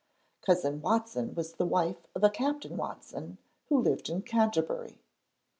Cousin Watson was the wife of a Captain Watson who lived in Canterbury.